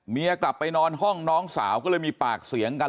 กลับไปนอนห้องน้องสาวก็เลยมีปากเสียงกัน